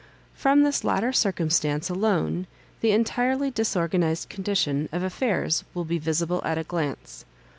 From this latter circumstance alone the entirely disorganised condition of af faire will be visible at a glance.